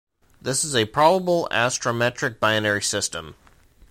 This is a probable astrometric binary system.